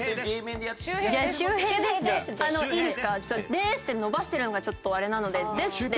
「でーす」って伸ばしてるのがちょっとあれなので「です」って。